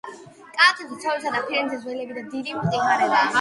კალთებზე თოვლისა და ფირნის ველები და დიდი მყინვარებია.